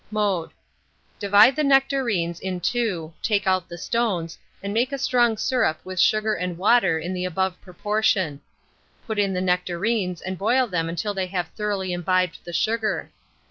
Mode. Divide the nectarines in two, take out the stones, and make a strong syrup with sugar and water in the above proportion. Put in the nectarines, and boil them until they have thoroughly imbibed the sugar.